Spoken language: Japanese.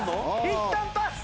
いったんパス！